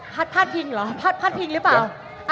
พาดพิงเหรอพัดพาดพิงหรือเปล่า